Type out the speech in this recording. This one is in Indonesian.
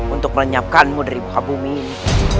untuk menyiapkanmu dari buka bumi ini